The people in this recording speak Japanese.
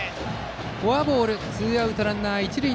フォアボールでツーアウトランナー、一塁。